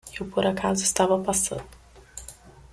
Eu por acaso estava passando.